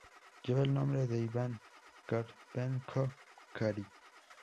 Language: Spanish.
Lleva el nombre de Iván Karpenko-Kary.